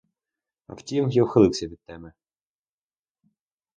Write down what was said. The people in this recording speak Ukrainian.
А втім, я ухилився від теми.